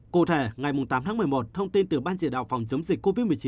cụ thể ngày tám tháng một mươi một thông tin từ ban chỉ đạo phòng chống dịch covid một mươi chín